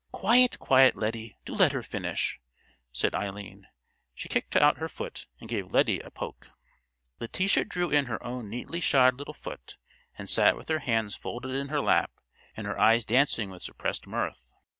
"Quiet, quiet, Lettie; do let her finish," said Eileen. She kicked out her foot and gave Lettie a poke. Letitia drew in her own neatly shod little foot and sat with her hands folded in her lap and her eyes dancing with suppressed mirth.